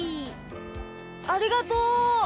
ありがとう！